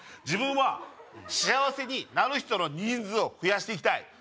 自分は幸せになる人の人数を増やしていきたい